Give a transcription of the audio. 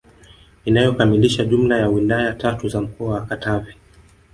Inayokamilisha jumla ya wilaya tatu za mkoa wa Katavi